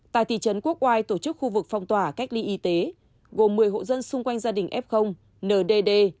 tại thị trấn quốc oai tổ chức khu vực phong tỏa cách ly y tế gồm một mươi hộ dân xung quanh gia đình f ndd